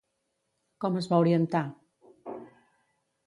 Com es va orientar?